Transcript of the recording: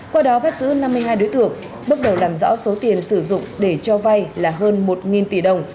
qua đó bắt giữ năm mươi hai đối tượng bước đầu làm rõ số tiền sử dụng để cho vay là hơn một tỷ đồng